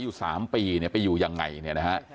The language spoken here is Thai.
อยู่๓ปีเนี่ยไปอยู่ยังไงเนี่ยนะฮะ